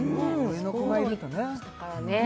上の子がいるとね